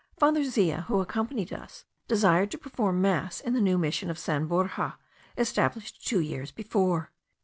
Father Zea, who accompanied us, desired to perform mass in the new Mission of San Borja, established two years before.